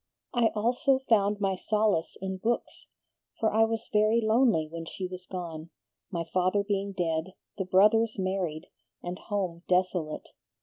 "I also found my solace in books, for I was very lonely when she was gone, my father being dead, the brothers married, and home desolate.